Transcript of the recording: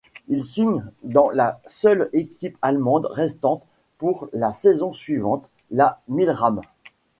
Il signe dans la seule équipe allemande restante pour la saison suivante, la Milram.